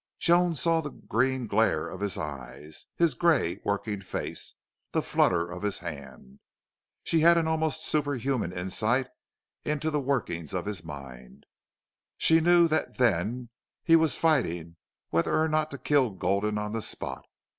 Joan saw the green glare of his eyes his gray working face the flutter of his hand. She had an almost superhuman insight into the workings of his mind. She knew that then he was fighting whether or not to kill Gulden on the spot.